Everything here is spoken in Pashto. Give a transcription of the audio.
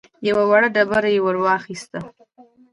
يوه وړه ډبره يې ور واخيسته.